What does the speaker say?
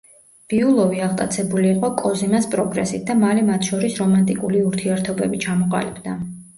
ბიულოვი აღტაცებული იყო კოზიმას პროგრესით და მალე მათ შორის რომანტიკული ურთიერთობები ჩამოყალიბდა.